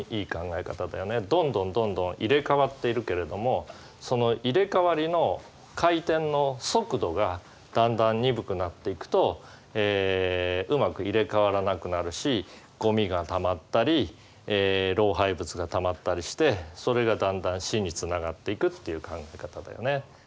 どんどんどんどん入れ替わっているけれどもその入れ替わりの回転の速度がだんだん鈍くなっていくとうまく入れ替わらなくなるしごみがたまったり老廃物がたまったりしてそれがだんだん死につながっていくっていう考え方だよね。